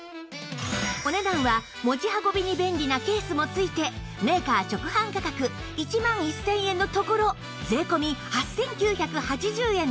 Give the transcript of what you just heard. お値段は持ち運びに便利なケースもついてメーカー直販価格１万１０００円のところ税込８９８０円です！